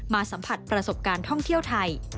สัมผัสประสบการณ์ท่องเที่ยวไทย